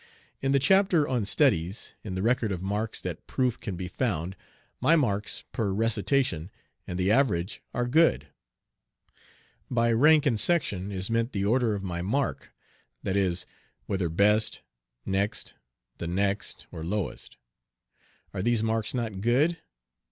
In the chapter on "Studies," in the record of marks that proof can be found, my marks per recitation, and the average are good. By rank in section is meant the order of my mark that is, whether best, next, the next, or lowest. Are these marks not good?